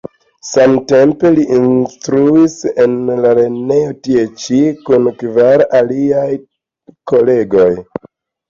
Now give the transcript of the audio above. Samtempe li instruis en la lernejo tiea ĉi kun kvar aliaj kolegoj.